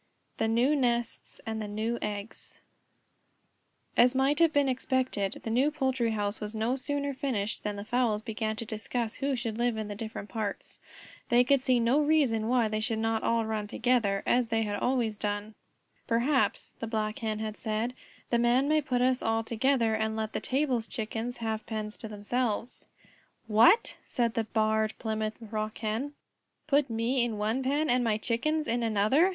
THE NEW NESTS AND THE NEST EGGS As might have been expected, the new poultry house was no sooner finished than the fowls began to discuss who should live in the different parts. They could see no reason why they should not all run together, as they always had done. "Perhaps," the Black Hen had said, "the Man may put us all together and let the table's Chickens have pens to themselves." "What?" said the Barred Plymouth Rock Hen, "put me in one pen and my Chickens in another?